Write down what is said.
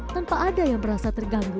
tanpa ada yang merasa terganggu